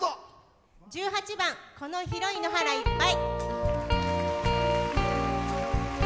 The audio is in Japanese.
１８番「この広い野原いっぱい」。